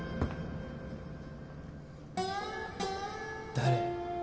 誰？